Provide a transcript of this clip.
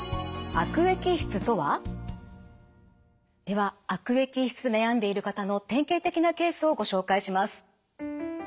では悪液質で悩んでいる方の典型的なケースをご紹介します。